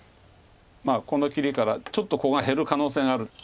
この切りからちょっとここが減る可能性がある。